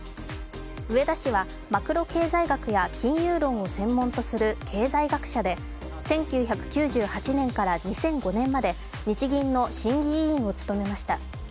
植田市はマクロ経済学や金融論を専門とする経済学者で、１９９８年から２００５年まで日銀の審議委員を務めました。